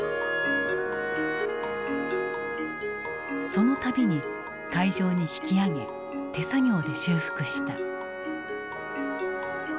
その度に海上に引きあげ手作業で修復した。